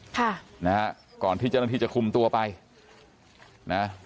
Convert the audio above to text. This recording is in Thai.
ค่ะนะฮะก่อนที่เจ้าหน้าที่จะคุมตัวไปนะ